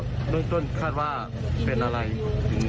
แล้วเรื่องจนคาดว่าเป็นอะไรหรือไม่